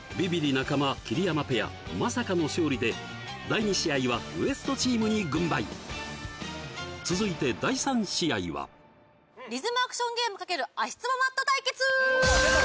中間桐山ペアまさかの勝利で第２試合はＷＥＳＴチームに軍配続いて第３試合はリズムアクションゲーム×足つぼマット対決！